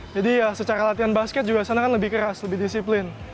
jadi ya secara latihan basket juga sana kan lebih keras lebih disiplin